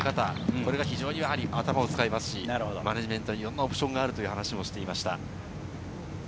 これは非常に頭を使いますし、マネジメントにいろんなオプションがあるということでした。